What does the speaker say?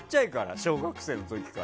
小学生の時から。